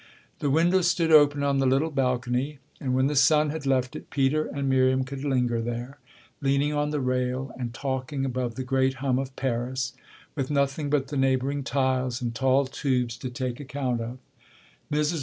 The window stood open on the little balcony, and when the sun had left it Peter and Miriam could linger there, leaning on the rail and talking above the great hum of Paris, with nothing but the neighbouring tiles and tall tubes to take account of. Mrs.